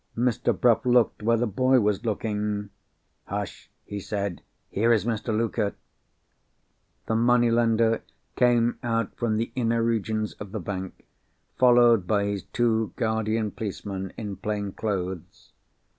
Mr. Bruff looked where the boy was looking. "Hush!" he said. "Here is Mr. Luker!" The money lender came out from the inner regions of the bank, followed by his two guardian policemen in plain clothes.